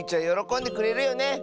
よろこんでくれるよね。